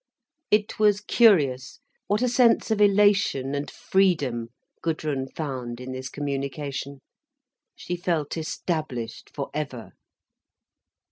It was curious what a sense of elation and freedom Gudrun found in this communication. She felt established for ever.